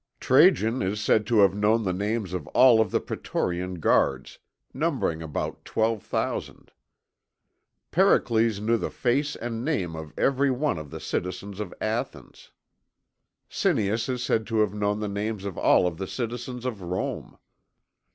Trajan is said to have known the names of all the Praetorian Guards, numbering about 12,000. Pericles knew the face and name of every one of the citizens of Athens. Cineas is said to have known the names of all the citizens of Rome.